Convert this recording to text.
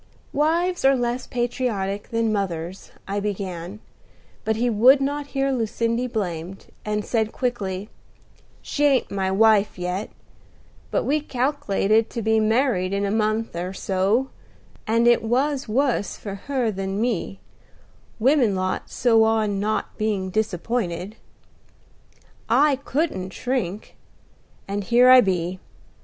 "Wives are less patriotic than mothers," I began; but he would not hear Lucindy blamed, and said quickly, "She ain't my wife yet, but we calk'lated to be married in a month or so; and it was wus for her than for me, women lot so on not being disappointed. I couldn't shirk, and here I be.